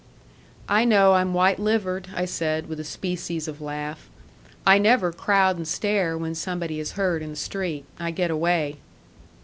"I know I'm white livered," I said with a species of laugh. "I never crowd and stare when somebody is hurt in the street. I get away."